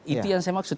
itu yang saya maksud